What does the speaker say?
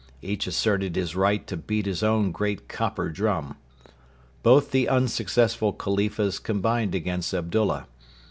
Each asserted his right to beat his own great copper drum. Both the unsuccessful Khalifas combined against Abdullah.